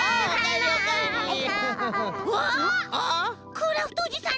クラフトおじさん